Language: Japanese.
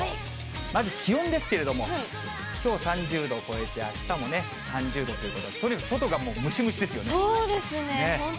まず気温ですけれども、きょう３０度を超えてあしたも３０度ということで、とにかく外そうですね。